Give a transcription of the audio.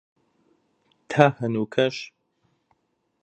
تا هەنووکەش